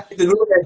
itu dulu ya